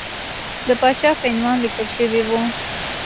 د پاچا په عنوان لیکل شوی وو.